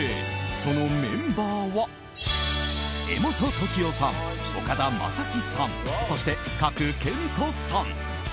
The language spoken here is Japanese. そのメンバーは柄本時生さん、岡田将生さんそして賀来賢人さん。